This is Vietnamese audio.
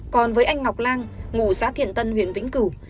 còn với anh ngọc lan ngụ xã thiện tân huyện vĩnh cửu